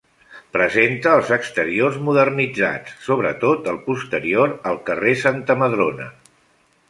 Presenta els exteriors modernitzats, sobre tot el posterior al carrer Santa Madrona.